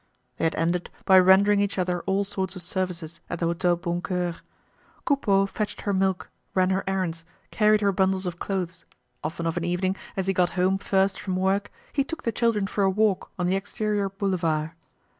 They had ended by rendering each other all sorts of services at the Hotel Boncoeur. Coupeau fetched her milk, ran her errands, carried her bundles of clothes; often of an evening, as he got home first from work, he took the children for a walk on the exterior Boulevard.